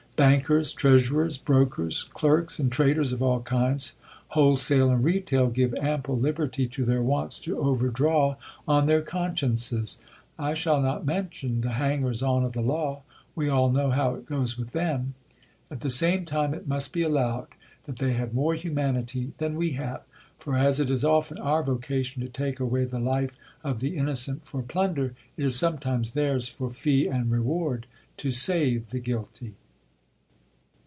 Bankers, treasurers, brokers, clerks, and traders of all kinds, wholesale and retail, give ample libertv to their wants to overdraw on their consciences. I shall not mention the hangers on of the law ; we all know how it goes with them. At the same time it must be allowed that they have more humanity than we have ; for as it is often our vocation to take away the life of the innocent for plunder, it is sometimes theirs for fee and reward to save the guilty.